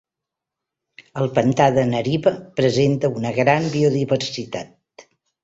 El pantà de Nariva presenta una gran biodiversitat.